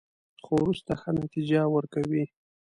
خو وروسته ښه نتیجه ورکوي.